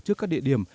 trước các địa điểm